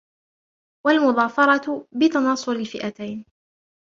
وَالْمُظَافَرَةُ بِتَنَاصُرِ الْفِئَتَيْنِ